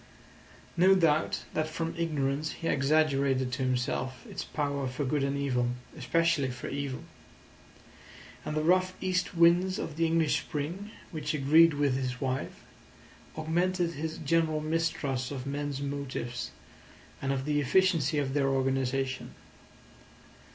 No doubt that from ignorance he exaggerated to himself its power for good and evil—especially for evil; and the rough east winds of the English spring (which agreed with his wife) augmented his general mistrust of men's motives and of the efficiency of their organisation.